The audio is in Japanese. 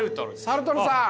サルトルさん！